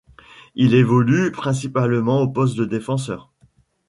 Il évolue principalement au poste de défenseur.